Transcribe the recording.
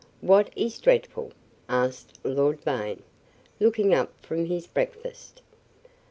"What is dreadful?" asked Lord Vane, looking up from his breakfast.